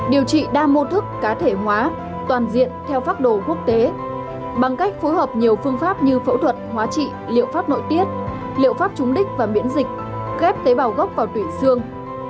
điều trị đa mô thức cá thể hóa toàn diện theo pháp đồ quốc tế bằng cách phối hợp nhiều phương pháp như phẫu thuật hóa trị liệu pháp nội tiết liệu pháp chúng đích và miễn dịch ghép tế bào gốc và tủy xương